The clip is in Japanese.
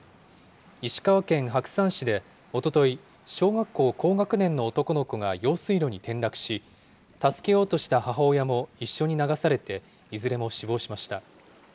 石川県白山市でおととい、小学校高学年の男の子が用水路に転落し、助けようとした母親も一緒に流されていずれも死亡しました。